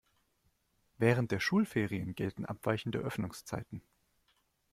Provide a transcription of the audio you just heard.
Während der Schulferien gelten abweichende Öffnungszeiten.